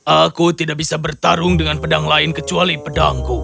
aku tidak bisa bertarung dengan pedang lain kecuali pedangku